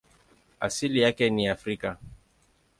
Asili yake ni Afrika.